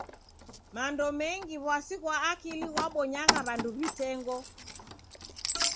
Mando mengi w'asi ghwa akili ghwabonyagha w'andu w'itengo.